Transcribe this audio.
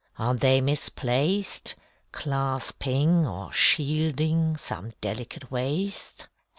Are they misplaced Clasping or shielding some delicate waist?